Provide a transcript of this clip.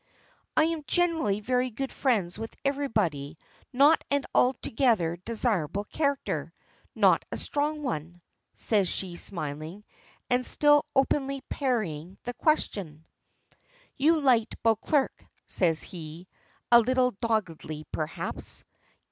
"I am generally very good friends with everybody; not an altogether desirable character, not a strong one," says she smiling, and still openly parrying the question. "You liked Beauclerk," says he, a little doggedly perhaps.